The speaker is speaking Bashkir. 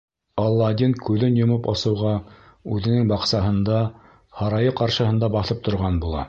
Аладдин күҙен йомоп асыуға үҙенең баҡсаһында, һарайы ҡаршыһында баҫып торған була.